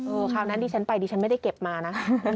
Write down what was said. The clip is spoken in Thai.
คราวนั้นดิฉันไปดิฉันไม่ได้เก็บมานะ